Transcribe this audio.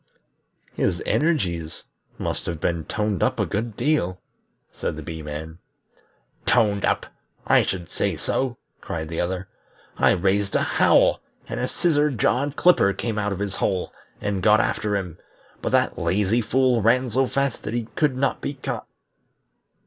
"His energies must have been toned up a good deal," said the Bee man. "Toned up! I should say so!" cried the other. "I raised a howl, and a Scissor jawed Clipper came out of his hole, and got after him; but that lazy fool ran so fast that he could not be caught."